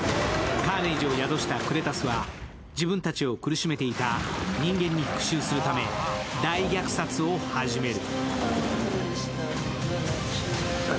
カーネイジを宿したクレタスは自分たちを苦しめていた人間に復讐するため、大虐殺を始める。